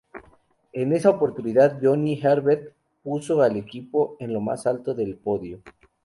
En esa oportunidad Johnny Herbert puso al equipo en lo más alto del podio.